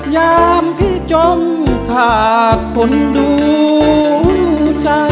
ยามพี่จมขาดคนดูใจ